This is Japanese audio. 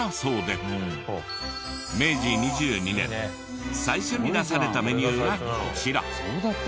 明治２２年最初に出されたメニューがこちら。